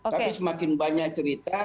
tapi semakin banyak cerita